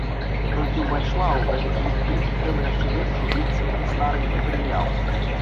Я толькі ўвайшла ў гэты калектыў і трэба яшчэ лепш ужыцца ў стары матэрыял.